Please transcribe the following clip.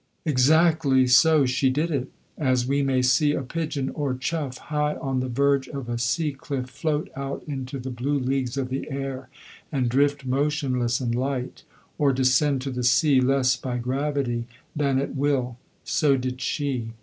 Exactly so she did it. As we may see a pigeon or chough high on the verge of a sea cliff float out into the blue leagues of the air, and drift motionless and light or descend to the sea less by gravity than at will so did she.